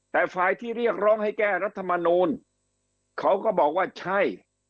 แต่ฝ่ายที่เรียกร้องให้แก้รัฐมนูลเขาก็บอกว่าใช่